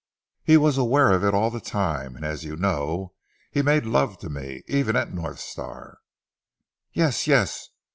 He was aware of it all the time, and as you know he made love to me. Even at North Star " "Yes! Yes!